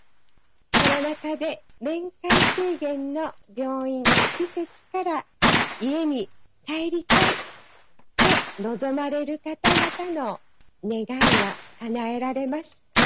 コロナ禍で面会制限の病院施設から家に帰りたいと望まれる方々の願いはかなえられます。